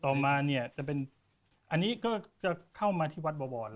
ต่อมาเนี่ยจะเป็นอันนี้ก็จะเข้ามาที่วัดบวร